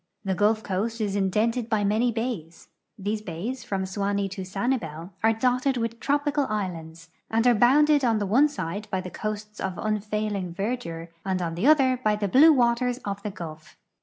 The Gulf coast is indented by many bays. These ba}"s, from Suwanee to Sanibel, are dotted with tropical islands, and are bounded on the one side by coasts of unfailing verdure and on the other by the blue waters of the Gulf.